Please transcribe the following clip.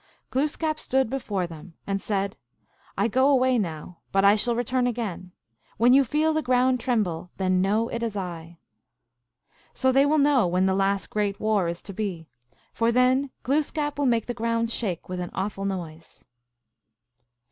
Glooskap stood before them, and said, " I go away now, but I shall return again ; when you feel the ground tremble, then know it is I." So they will know when the last great war is to be, for then Gloos kap will make the ground shake with an awful noise.